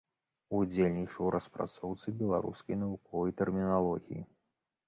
Удзельнічаў у распрацоўцы беларускай навуковай тэрміналогіі.